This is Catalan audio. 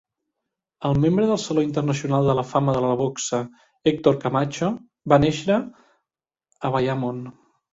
El membre del Saló Internacional de la Fama de la Boxa Hector Camacho va néixer a Bayamon.